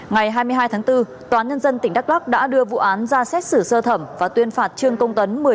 ngày hai mươi hai tháng bốn toán nhân dân tỉnh đắk lắk đã đưa vụ án ra xét xử sơ thẩm và tuyên phạt trương công tấn